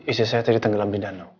istri saya tadi tengah dalam bidan